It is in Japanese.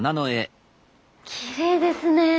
きれいですね。